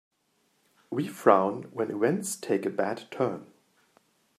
We frown when events take a bad turn.